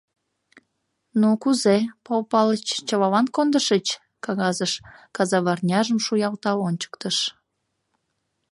— Ну кузе, Пал Палыч, чылалан кондышыч? — кагазыш казаварняжым шуялтал ончыктыш.